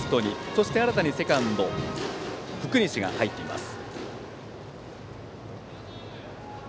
そして、新たにセカンドに福西が入っています。